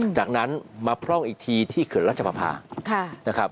จากนั้นมาพร่องอีกทีที่เกิดรัชภาพา